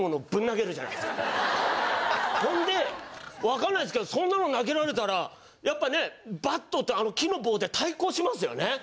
ほんで分かんないですけどそんなもん投げられたらやっぱねバットってあの木の棒で対抗しますよね？